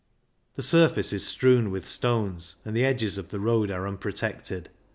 The sur face is strewn with stones, and the edges of the road are unprotected.